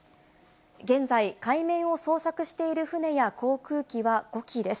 現在、海面を捜索している船や航空機は５機です。